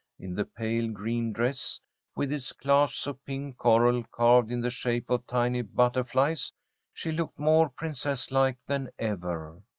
In the pale green dress, with its clasps of pink coral carved in the shape of tiny butterflies, she looked more princess like than ever.